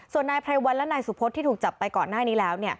ส่วนนายไพรวันและนายสุพธิ์ที่ถูกจับไปก่อนหน้านี้แล้ว